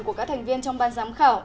của các thành viên trong ban giám khảo